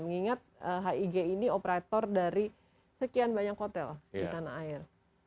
mengingat hig ini operator dari sekian banyak hotel di tanah air